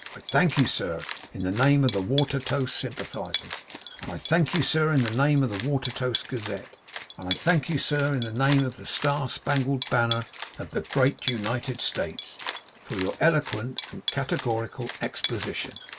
I thank you, sir, in the name of the Watertoast Sympathisers; and I thank you, sir, in the name of the Watertoast Gazette; and I thank you, sir, in the name of the star spangled banner of the Great United States, for your eloquent and categorical exposition.